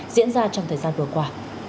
diễn ra trong thời gian vừa qua